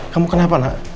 kamu kenapa nak